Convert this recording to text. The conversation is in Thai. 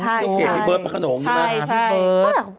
ที่เขตที่เบิร์ดประขนมใช่ไหมครับ